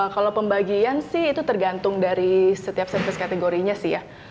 kalau pembagian sih itu tergantung dari setiap service kategorinya sih ya